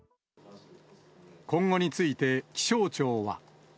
今後について、気象庁は。